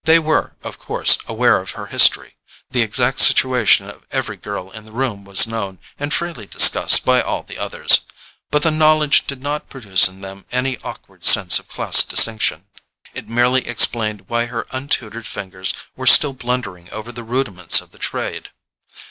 They were, of course, aware of her history—the exact situation of every girl in the room was known and freely discussed by all the others—but the knowledge did not produce in them any awkward sense of class distinction: it merely explained why her untutored fingers were still blundering over the rudiments of the trade.